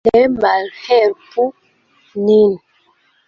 Ne malhelpu nin.